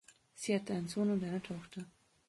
Sie hat einen Sohn und eine Tochter.